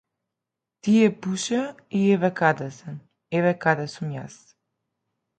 Тие пушеа и еве каде се, еве каде сум јас.